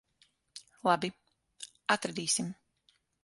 Labi. Atradīsim.